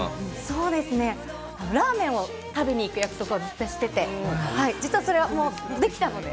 そうですね、ラーメンを食べに行く約束をずっとしてて、実はそれはもう、できたので。